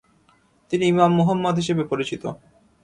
তিনি ইমাম মুহাম্মদ হিসাবে পরিচিত।